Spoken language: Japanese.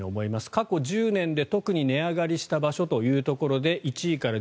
過去１０年で特に値上がりした場所ということで１位から１０位。